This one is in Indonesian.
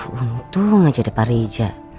huff untung aja ada pak rija